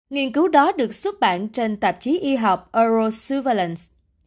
nghiên cứu đó được xuất bản trên tạp chí y học eurosuvalence